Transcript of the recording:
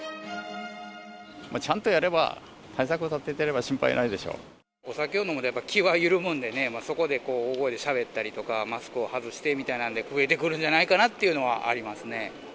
ちゃんとやれば、お酒を飲むと、やっぱり気は緩むんでね、そこで大声でしゃべったりとか、マスクを外してみたいなんで、増えてくるんじゃないかなっていうのはありますね。